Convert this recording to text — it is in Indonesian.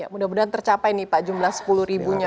mudah mudahan tercapai nih pak jumlah sepuluh ribunya